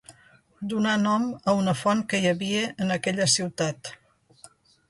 Donà nom a una font que hi havia en aquella ciutat.